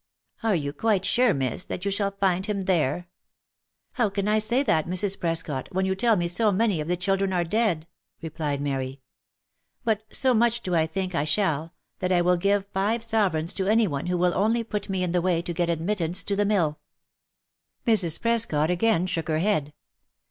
" Are you quite sure, miss, that you shall find him there?" " How can I say that, Mrs. Prescot, when you tell me so many of the children are dead ?" replied Mary. " But so much do I think I shall, that I will give five sovereigns to any one who will only put me in the way to get admittance to the mill." Mrs. Prescot again shook her head.